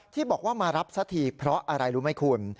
ที่บอกว่ามารับสักทีเพราะอะไรรู้ไหมคุณ